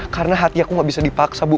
karena hati aku gak bisa dipaksa bu